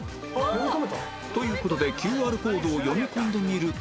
という事で ＱＲ コードを読み込んでみると